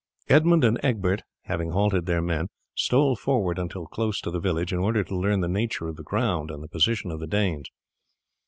Edmund and Egbert having halted their men stole forward until close to the village in order to learn the nature of the ground and the position of the Danes.